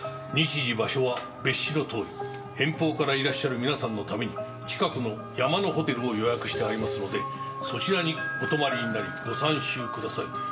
「日時場所は別紙のとおり」「遠方からいらっしゃる皆さんのために近くの『山のホテル』を予約してありますのでそちらにお泊まりになり御参集ください。